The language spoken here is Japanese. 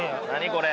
これ。